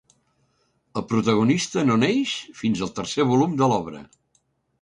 El protagonista no neix fins al tercer volum de l'obra.